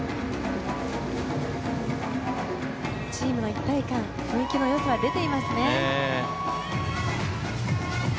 チームの一体感雰囲気の良さが出ていますね。